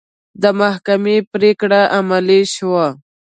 د محکمې پرېکړه عملي شوه.